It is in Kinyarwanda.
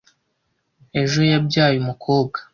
Ejo yabyaye umukobwa.